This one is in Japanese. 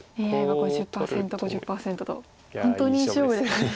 ＡＩは５０％５０％と本当にいい勝負ですね。